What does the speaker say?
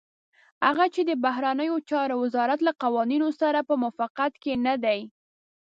هغه چې د بهرنيو چارو وزارت له قوانينو سره په موافقت کې نه دي.